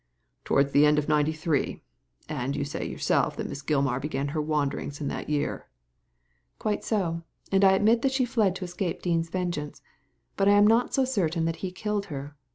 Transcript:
"" Towards the end of '93 ; and you say yourself that Miss Gilmar began her wanderings in that year." " Quite so ; and I admit that she fled to escape Dean's vengeance, but I am not so certain that he killed her.